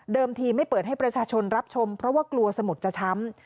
ทีไม่เปิดให้ประชาชนรับชมเพราะว่ากลัวสมุดจะช้ำ